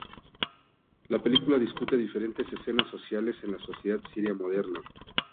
La película discute diferentes escenas sociales en la sociedad siria moderna.